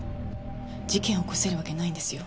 事件を起こせるわけないんですよ。